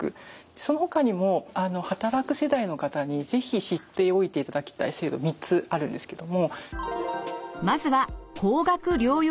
そのほかにも働く世代の方に是非知っておいていただきたい制度３つあるんですけども。